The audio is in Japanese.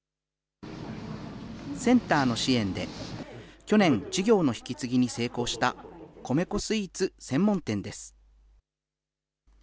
センターの支援で去年、事業の引き継ぎに成功した、米粉スイーツ専門店です。